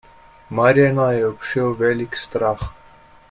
Marjana je obšel velik strah.